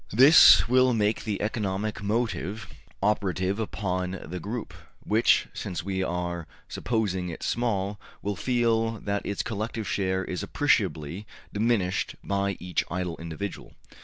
This will make the economic motive operative upon the group, which, since we are supposing it small, will feel that its collective share is appreciably diminished by each idle individual.